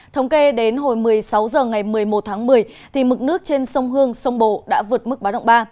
thống kê đến hồi một mươi sáu h ngày một mươi một tháng một mươi mực nước trên sông hương sông bồ đã vượt mức bá động ba